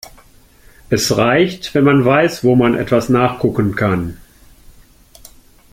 Es reicht, wenn man weiß, wo man es nachgucken kann.